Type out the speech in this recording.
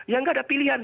ya nggak ada pilihan